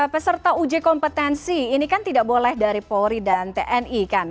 peserta uji kompetensi ini kan tidak boleh dari polri dan tni kan